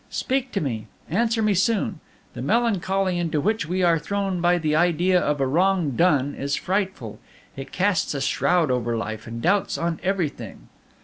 "Speak to me! Answer me soon! The melancholy into which we are thrown by the idea of a wrong done is frightful; it casts a shroud over life, and doubts on everything.